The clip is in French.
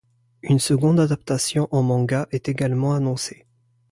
Une seconde adaptation en mangas est également annoncée.